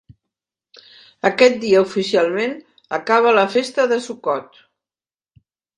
Aquest dia oficialment acaba la festa de Sukkot.